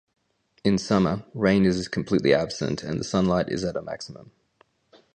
In summer, rain is completely absent and the sunlight is at a maximum.